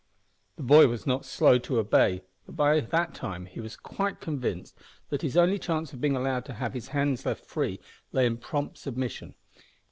The boy was not slow to obey, for he was by that time quite convinced that his only chance of being allowed to have his hands left free lay in prompt submission.